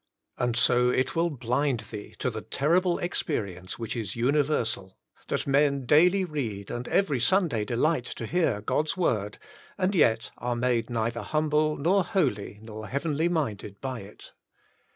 And so it will blind thee to the terri ble experience which is universal, that men daily read, and every Sunday delight to hear God's Word, and yet are made neither humble, nor holy, nor heavenly minded by it.